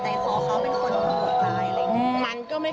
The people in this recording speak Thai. โปรดติดตามต่อไป